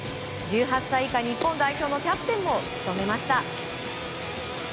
１８歳以下日本代表のキャプテンも務めました。